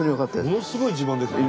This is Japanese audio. ものすごい自慢ですよね。